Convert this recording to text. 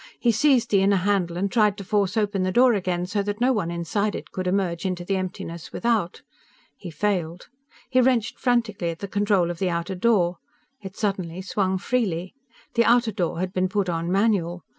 He seized the inner handle and tried to force open the door again, so that no one inside it could emerge into the emptiness without. He failed. He wrenched frantically at the control of the outer door. It suddenly swung freely. The outer door had been put on manual.